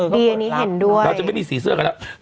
ดีอันนี้เห็นด้วยเราจะไม่มีสีเสื้อกันแล้ว